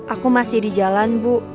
aku masih di jalan bu